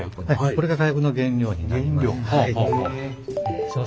これが火薬の原料になります。